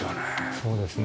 そうですね。